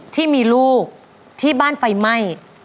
ที่มีลูกที่บ้านไฟไหม้